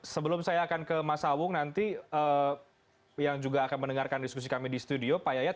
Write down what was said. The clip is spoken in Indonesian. sebelum saya akan ke mas sawung nanti yang juga akan mendengarkan diskusi kami di studio pak yayat